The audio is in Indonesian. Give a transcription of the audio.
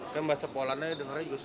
kan bahasa polan aja denger aja susah